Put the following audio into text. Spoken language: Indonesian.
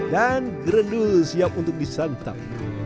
dan gerendul siap untuk disantap